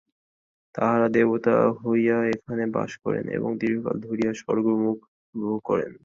তাঁহারা দেবতা হইয়া এখানে বাস করেন ও দীর্ঘকাল ধরিয়া স্বর্গসুখ উপভোগ করেন।